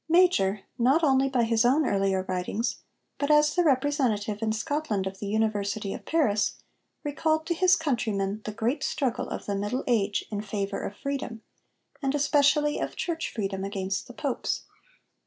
Major, not only by his own earlier writings, but as the representative in Scotland of the University of Paris, recalled to his countrymen the great struggle of the Middle Age in favour of freedom and especially of church freedom against the Popes.